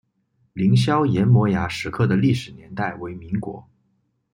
凌霄岩摩崖石刻的历史年代为民国。